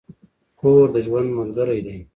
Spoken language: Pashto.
کور د ژوند ملګری دی.